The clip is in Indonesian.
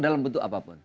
dalam bentuk apapun